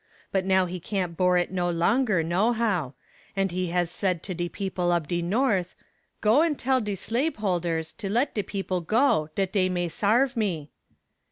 But now he can't bore it no longer, no how; and he has said to de people ob de North go and tell de slaveholders to let de people go, dat dey may sarve me."